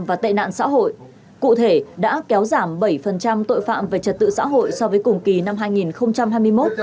và tệ nạn xã hội cụ thể đã kéo giảm bảy tội phạm về trật tự xã hội so với cùng kỳ năm hai nghìn hai mươi một